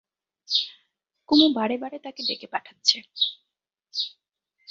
কুমু বারে বারে তাকে ডেকে পাঠাচ্ছে।